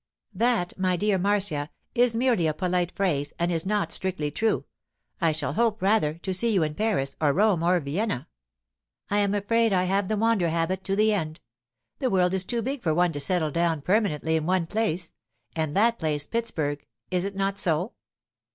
That, my dear Marcia, is merely a polite phrase and is not strictly true. I shall hope, rather, to see you in Paris or Rome or Vienna. I am afraid that I have the wander habit to the end. The world is too big for one to settle down permanently in one place—and that place Pittsburg; is it not so?